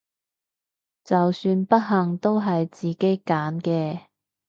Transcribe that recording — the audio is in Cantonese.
就算不幸都係自己揀嘅！